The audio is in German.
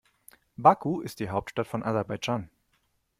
Baku ist die Hauptstadt von Aserbaidschan.